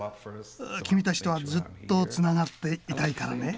君たちとはずっとつながっていたいからね。